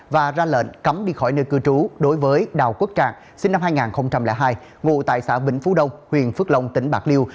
và ra lệnh cấm đi khỏi nơi cư trú đối với đào quốc trạng sinh năm hai nghìn hai ngụ tại xã bình phú đông huyện phước long tỉnh bạc liêu